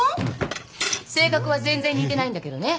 性格は全然似てないんだけどね。